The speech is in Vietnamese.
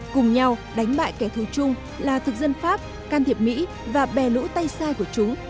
cùng nhau đánh bại kẻ thù chung là thực dân pháp can thiệp mỹ và bè lũ tay sai của chúng